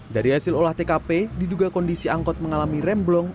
dari hasil olah tkp diduga kondisi angkot mengalami remblong